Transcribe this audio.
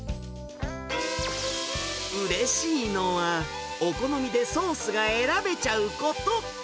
うれしいのはお好みでソースが選べちゃうこと。